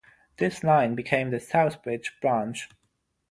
This line became the Southbridge Branch.